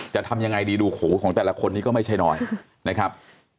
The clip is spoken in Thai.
จะทำยังไงดีดูหูของแต่ละคนนี้ก็ไม่ใช่น้อยนะครับ